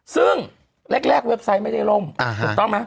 ซึ่งแรกเว็บไซต์ไม่ได้ล่มถูกต้องไหม